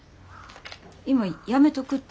今やめとくって。